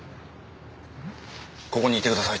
ここにいてください。